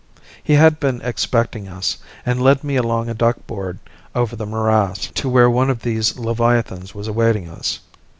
He had been expecting us, and led me along a duck board over the morass, to where one of these leviathans was awaiting us.